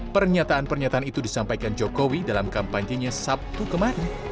pernyataan pernyataan itu disampaikan jokowi dalam kampanyenya sabtu kemarin